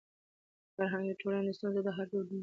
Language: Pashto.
فرهنګ د ټولني د ستونزو د حل دودیز عقل لري.